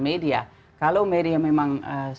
media kalau media memang